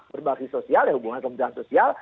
berbasis sosial ya hubungan kementerian sosial